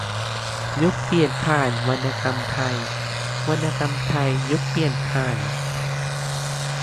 - ยุคเปลี่ยนผ่านวรรณกรรมไทย วรรณกรรมไทยยุคเปลี่ยนผ่าน